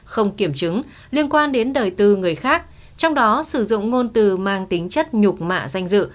không kiểm chứng liên quan đến đời tư người khác trong đó sử dụng ngôn từ mang tính chất nhục mạ danh dự